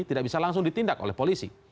tidak bisa langsung ditindak oleh polisi